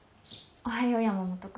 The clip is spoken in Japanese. おはよう山本君。